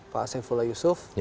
pak saifullah yusuf